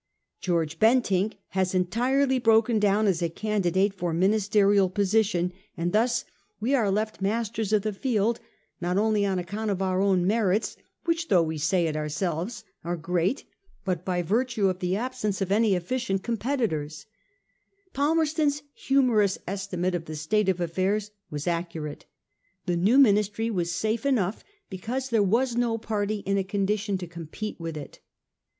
George Bentinck has entirely broken down as a can didate for ministerial position ; and thus we are left 416 A HISTORY OF OUR OWN TIMES, oh. xvir. ■masters of tlie field, not only on account of our own merits, which, though we say it ourselves, are great, but by virtue of the absence of any efficient competi tors/ Palmerston's humorous estimate of the state of affairs was accurate. The new Ministry was safe enough, because there was no party in a condition to compete with it.